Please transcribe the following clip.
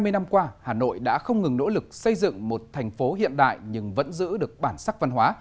hai mươi năm qua hà nội đã không ngừng nỗ lực xây dựng một thành phố hiện đại nhưng vẫn giữ được bản sắc văn hóa